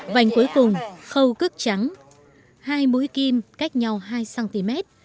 vành cuối cùng khâu cước trắng hai mũi kim cách nhau hai cm